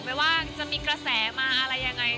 ไม่ว่าจะมีกระแสมาอะไรยังไง